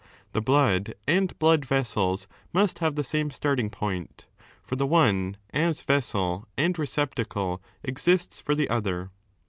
The blood and blood vessels must have the same starting point For the one, as vessel and receptacle exists for the other.